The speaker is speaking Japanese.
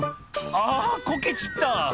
「あぁこけちった」